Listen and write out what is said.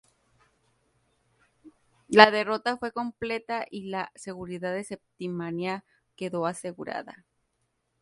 La derrota fue completa y la seguridad de Septimania quedó asegurada.